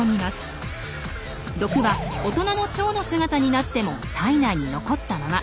毒は大人のチョウの姿になっても体内に残ったまま。